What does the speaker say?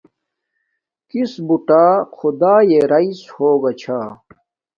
کِس بُٹݳ خدݳیݺ رݳئس ہݸگݳ چھݳ.